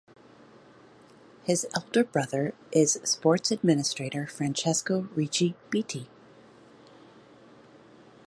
His elder brother is sports administrator Francesco Ricci Bitti.